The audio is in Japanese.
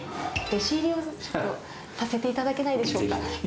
弟子入りを、ちょっと、させていただけないでしょうか。